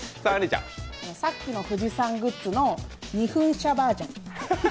さっきの富士山グッズの未噴射バージョン。